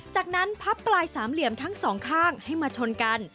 จากนั้นพับปลายสามเหลี่ยมทั้งสองข้างให้มาชนกัน